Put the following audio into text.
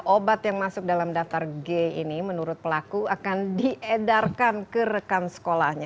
obat yang masuk dalam daftar g ini menurut pelaku akan diedarkan ke rekan sekolahnya